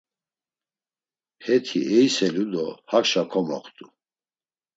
Heti eiselu do hakşa komoxtu.